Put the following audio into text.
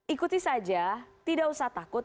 ikuti saja tidak usah takut